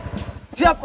terima kasih pak kamtip